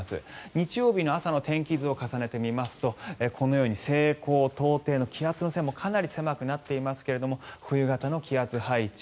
日曜日の朝の天気図を重ねてみますとこのように西高東低の気圧の線もかなり狭くなっていますが冬型の気圧配置。